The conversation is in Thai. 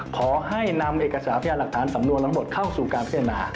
ขอให้นำเอกสารพยานหลักฐานสำนวนทั้งหมดเข้าสู่การพิจารณา